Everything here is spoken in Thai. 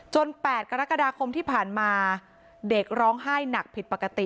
๘กรกฎาคมที่ผ่านมาเด็กร้องไห้หนักผิดปกติ